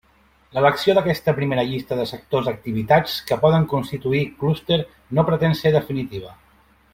L'elecció d'aquesta primera llista de sectors d'activitats que poden constituir clúster no pretén ser definitiva.